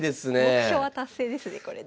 目標は達成ですねこれで。